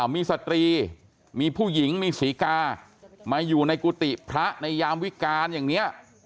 มีสตรีมีผู้หญิงมีศรีกามาอยู่ในกุฏิพระในยามวิการอย่างนี้